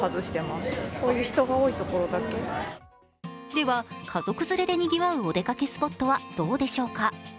では家族連れでにぎわうお出かけスポットはどうでしょうか。